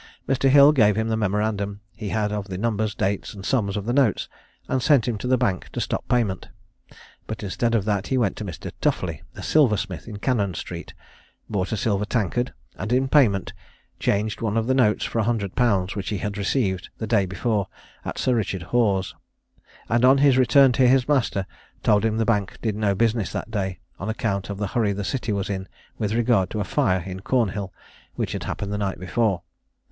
Mr. Hill gave him the memorandum he had of the numbers, dates, and sums of the notes, and sent him to the bank to stop payment; but, instead of that, he went to Mr. Tufley, a silversmith in Cannon Street, bought a silver tankard, and in payment, changed one of the notes for a hundred pounds which he had received the day before at Sir Richard Hoare's; and on his return to his master, told him the bank did no business that day, on account of the hurry the city was in with regard to a fire in Cornhill, which had happened the night before.